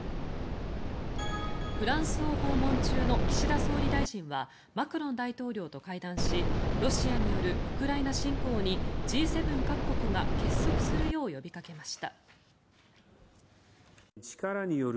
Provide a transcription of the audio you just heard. フランスを訪問中の岸田総理大臣はマクロン大統領と会談しロシアによるウクライナ侵攻にＧ７各国が結束するよう呼びかけました。